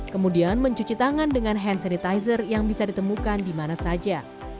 kemudian mencuci tangan dengan hand sanitizer yang bisa ditemukan di mana saja